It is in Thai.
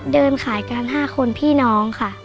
เดินขายกัน๕คนพี่น้องค่ะ